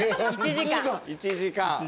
１時間？